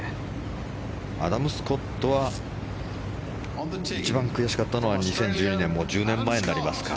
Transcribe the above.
アダム・スコットは一番悔しかったのは２０１２年もう１０年前になりますか。